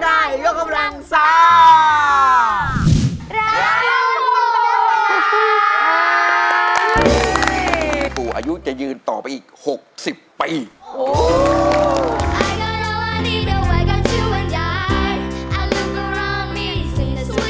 อายุจะยืนต่อไปอีก๖๐ปี